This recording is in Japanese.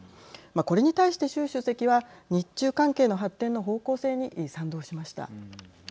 これに対して習主席は日中関係の発展の方向性に賛同しました。